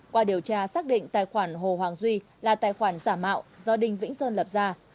qua điều tra xác định tài khoản hồ hoàng duy là tài khoản giả mạo do đinh vĩnh sơn lập ra